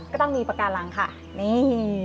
ก็ต้องมีปากการังค่ะนี่